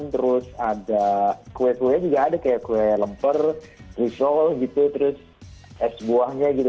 terus ada kue kue juga ada kayak kue lemper risol gitu terus es buahnya gitu